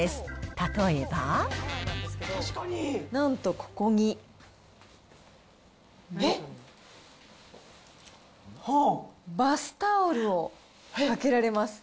例えば。なんとここに、バスタオルをかけられます。